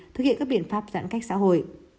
thực hiện các biện pháp giãn cách xã hội